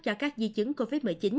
cho các di chứng covid một mươi chín